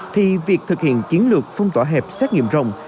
thì việc thực hiện chiến lược phong tỏa hẹp xét nghiệm rồng